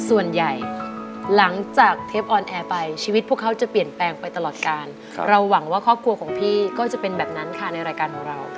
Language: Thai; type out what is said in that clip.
ว่าครอบครัวของพี่ก็จะเป็นแบบนั้นค่ะในรายการของเรา